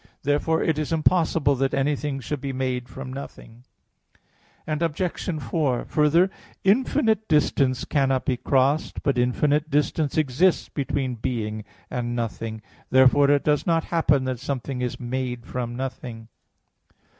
Therefore it is impossible that anything should be made from nothing. Obj. 4: Further, infinite distance cannot be crossed. But infinite distance exists between being and nothing. Therefore it does not happen that something is made from nothing.